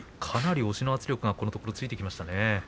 かなり押しの圧力がこのところ、ついてきましたね。